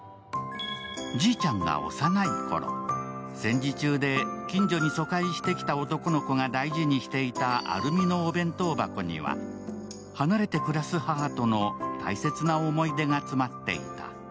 じいちゃんが幼いころ、戦時中で近所に疎開してきた男の子が大事にしていたアルミのお弁当箱には、離れて暮らす母との大切な思い出が詰まっていた。